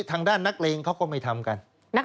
ทางนักเรงเขาก็ไม่ทำกัน